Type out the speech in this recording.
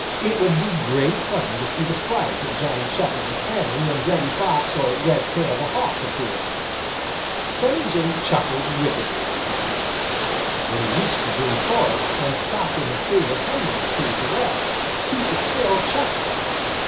It would be great fun to see the fright of Johnny Chuck and his family when Reddy Fox or Redtail the Hawk appeared. Sammy Jay chuckled wickedly as he flew. When he reached the Green Forest and stopped in his favorite hemlock tree to rest, he was still chuckling.